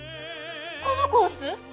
このコース